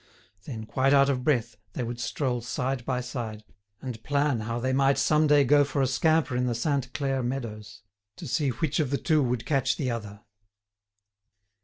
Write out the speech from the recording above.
Then, quite out of breath, they would stroll side by side, and plan how they might some day go for a scamper in the Sainte Claire meadows, to see which of the two would catch the other.